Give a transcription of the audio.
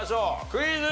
クイズ。